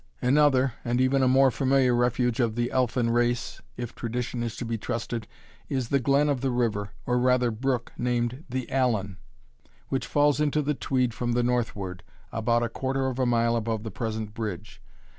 Another, and even a more familiar refuge of the elfin race, (if tradition is to be trusted,) is the glen of the river, or rather brook, named the Allen, which falls into the Tweed from the northward, about a quarter of a mile above the present bridge.